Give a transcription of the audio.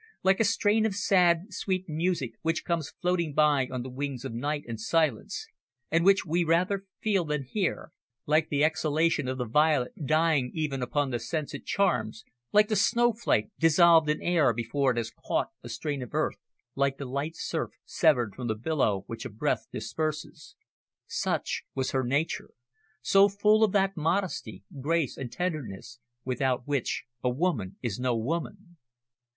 Like a strain of sad, sweet music which comes floating by on the wings of night and silence, and which we rather feel than hear, like the exhalation of the violet dying even upon the sense it charms, like the snow flake dissolved in air before it has caught a stain of earth, like the light surf severed from the billow which a breath disperses such was her nature, so full of that modesty, grace and tenderness without which a woman is no woman.